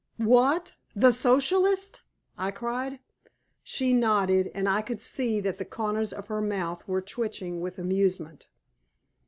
"What! The Socialist!" I cried. She nodded, and I could see that the corners of her mouth were twitching with amusement.